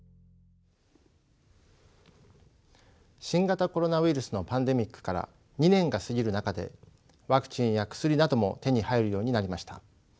新型コロナウイルスのパンデミックから２年が過ぎる中でワクチンや薬なども手に入るようになりました。